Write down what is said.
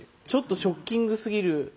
ちょっとショッキングすぎる。